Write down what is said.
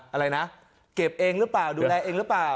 อะไรนะเก็บเองหรือเปล่าดูแลเองหรือเปล่า